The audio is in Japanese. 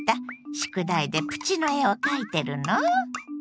宿題でプチの絵を描いてるの？